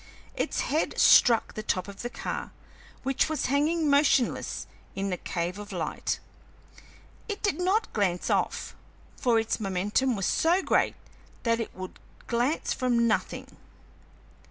Its head struck the top of the car, which was hanging motionless in the cave of light; it did not glance off, for its momentum was so great that it would glance from nothing.